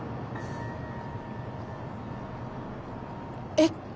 えっ！